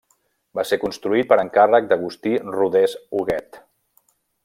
Va ser construït per encàrrec d'Agustí Rodés Huguet.